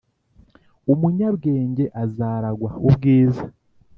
umunyabwenge azaragwa ubwiza,